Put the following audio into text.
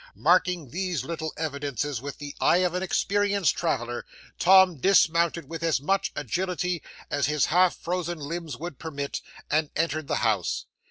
Marking these little evidences with the eye of an experienced traveller, Tom dismounted with as much agility as his half frozen limbs would permit, and entered the house.